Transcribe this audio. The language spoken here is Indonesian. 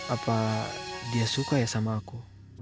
apa dia suka ya sama aku